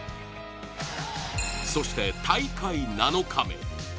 そして大会７日目。